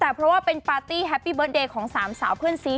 แต่เพราะว่าเป็นปาร์ตี้แฮปปี้เบิร์ตเดย์ของสามสาวเพื่อนซี